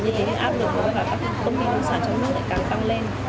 và như thế áp lực của các công ty nông sản trong nước lại càng tăng lên